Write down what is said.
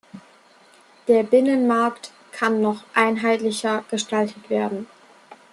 Der Binnenmarkt kann noch einheitlicher gestaltet werden.